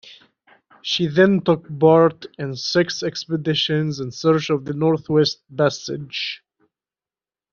She then took part in six expeditions in search of the Northwest Passage.